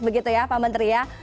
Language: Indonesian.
begitu ya pak menteri ya